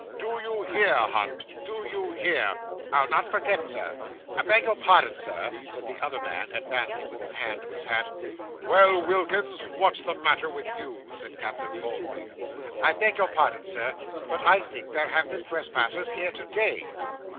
Do you hear, Hunt; do you hear?' 'I'll not forget it, Sir.' 'I beg your pardon, Sir,' said the other man, advancing, with his hand to his hat. 'Well, Wilkins, what's the matter with you?' said Captain Boldwig. 'I beg your pardon, sir but I think there have been trespassers here to day.